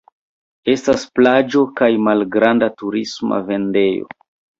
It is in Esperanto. Estas plaĝo kaj malgranda turisma vendejo.